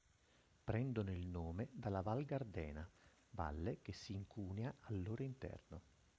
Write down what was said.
Prendono il nome dalla Val Gardena, valle che si incunea al loro interno.